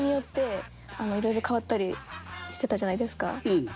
うん。